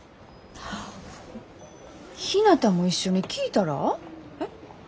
はっひなたも一緒に聴いたら？えっ？